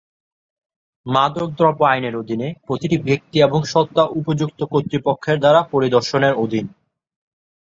মাদকদ্রব্য আইনের অধীনে প্রতিটি ব্যক্তি এবং সত্তা উপযুক্ত কর্তৃপক্ষের দ্বারা পরিদর্শনের অধীন।